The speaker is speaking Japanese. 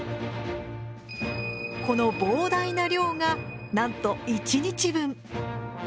この膨大な量がなんと１日分。